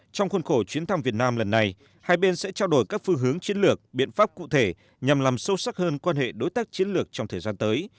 trong khuôn khổ chuyến thăm việt nam lần này hai bên sẽ trao đổi các phương hướng chiến lược biện pháp cụ thể nhằm làm sâu sắc hơn quan hệ đối tác chiến lược trong thời gian tới